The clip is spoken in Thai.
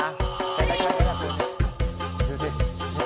ดูสิผมเต้นแล้วดีแล้วดีสุดแค่นี้แหละ